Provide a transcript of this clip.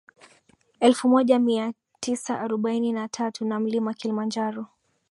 elfu moja mia tisa arobaini na tatu na Mlima Kilimanjaro